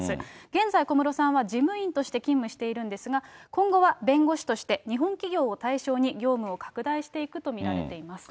現在、小室さんは事務員として勤務しているんですが、今後は弁護士として、日本企業を対象に業務を拡大していくと見られています。